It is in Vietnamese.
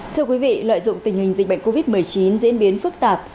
thưa quý vị lợi dụng tình hình dịch bệnh covid một mươi chín diễn biến phức tạp